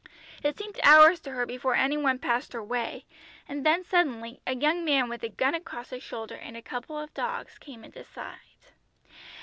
It seemed hours to her before any one passed her way, and then suddenly a young man with a gun across his shoulder, and a couple of dogs, came into sight.